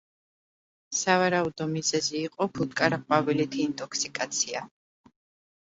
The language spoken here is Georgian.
სავარაუდო მიზეზი იყო ფუტკარა ყვავილით ინტოქსიკაცია.